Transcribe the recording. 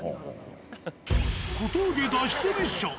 小峠脱出ミッション。